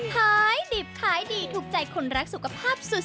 ขายดิบขายดีถูกใจคนรักสุขภาพสุด